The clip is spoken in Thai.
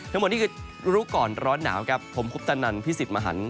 ทั้งหมดนี่คือรู้ก่อนร้อนหนาวครับผมคุปตนันพิสิทธิ์มหัน